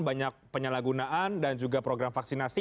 banyak penyalahgunaan dan juga program vaksinasi